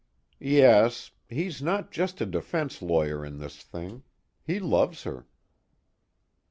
"Yes. He's not just a defense lawyer in this thing. He loves her."